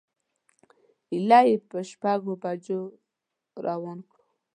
ایله یې په شپږو بجو روان کړو.